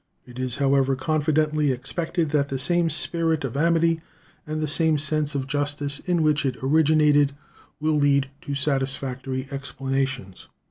It is, however, confidently expected that the same spirit of amity and the same sense of justice in which it originated will lead to satisfactory explanations.